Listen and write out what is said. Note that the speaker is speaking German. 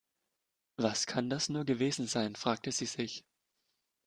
Was kann das nur gewesen sein, fragte sie sich.